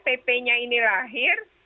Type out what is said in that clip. pp nya ini lahir